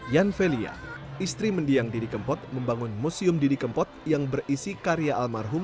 yan velia istri mendiang didi kempot membangun museum didi kempot yang berisi karya almarhum